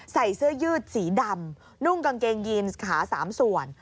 ใส่เสื้อยืดสีดำนุ่งกางเกงยีนขา๓ส่วน